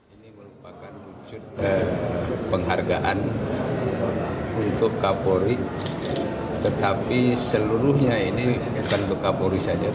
ini merupakan wujud penghargaan untuk kapolri tetapi seluruhnya ini bukan untuk kapolri saja